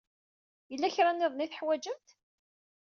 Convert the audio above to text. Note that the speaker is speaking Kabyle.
Yella kra niḍen ay teḥwajemt?